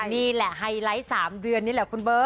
นี่แหละไฮไลท์๓เดือนนี่แหละคุณเบิร์ต